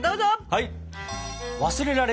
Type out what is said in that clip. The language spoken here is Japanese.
はい！